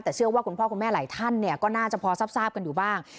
แต่เชื่อว่าคุณพ่อคุณแม่หลายท่านเนี่ยก็น่าจะพอทราบกันอยู่บ้าง